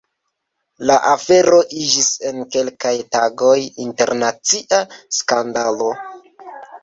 La afero iĝis en kelkaj tagoj internacia skandalo.